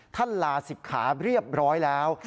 ท่านลาสิบขาเรียบร้อยแล้ว